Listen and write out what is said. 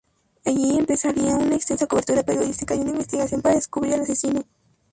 Allí empezaría una extensa cobertura periodística y una investigación para descubrir al asesino.